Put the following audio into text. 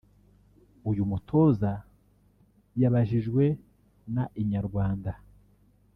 uyu mutoza yabajijwe na Inyarwanda